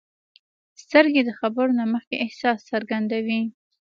سترګې د خبرو نه مخکې احساس څرګندوي